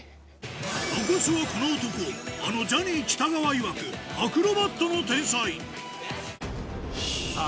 残すはこの男あのジャニー喜多川いわくアクロバットの天才さぁ